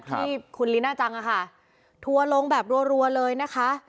ที่คุณลีน่าจังอะค่ะทัวร์ลงแบบรัวเลยนะคะ